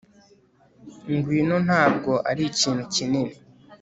Ngwino ntabwo arikintu kinini